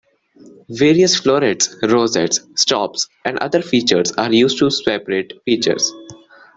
Various florets, rosettes, stops, and other features are used to separate features.